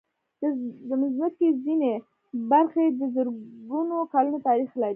د مځکې ځینې برخې د زرګونو کلونو تاریخ لري.